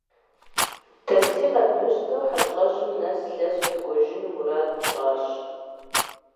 Такси къэдмыщтэу хьэщӀэщым нэс лъэсу дыкӏуэжыну мурад тщӀащ.